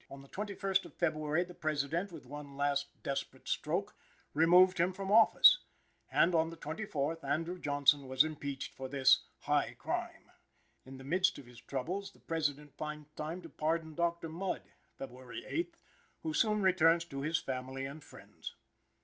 On the 21st of February, the President, with one last desperate stroke, removed him from office; and on the 24th, Andrew Johnson was impeached for this "high crime." In the midst of his troubles, the President finds time to pardon Dr. Mudd (Feb. 8th), who soon returns to his family and friends.